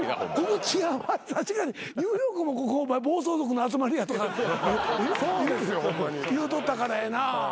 確かにニューヨークもここ暴走族の集まりやとか言うとったからやな。